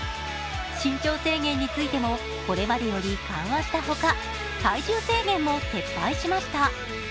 身長制限についても、これまでより緩和したほか、体重制限も撤廃しました。